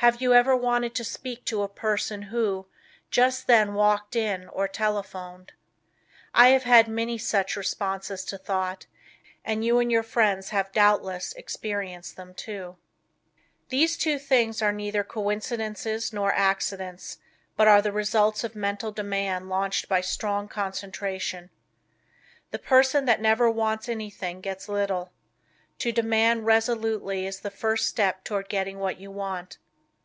Have you ever wanted to speak to a person who, just then walked in or telephoned. I have had many such responses to thought and you and your friends have doubtless experienced them, too. These two things are neither coincidences nor accidents, but are the results of mental demand launched by strong concentration. The person that never wants anything gets little. To demand resolutely is the first step toward getting what you want.